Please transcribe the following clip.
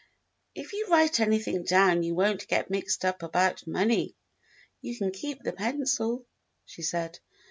"If you write everything down you won't get mixed up about the money. You can keep the pencil," she said.